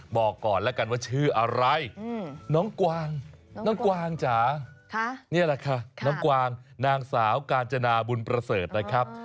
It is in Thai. บอกก่อนแล้วกันว่าชื่ออะไรน้องกวางน้องกวางจ๋านี่แหละค่ะน้องกวางนางสาวกาญจนาบุญประเสริฐนะครับ